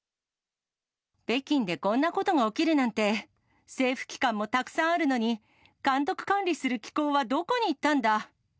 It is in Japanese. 北京でこんなことが起きるなんて、政府機関もたくさんあるのに、監督管理する機構はどこにいったんだ？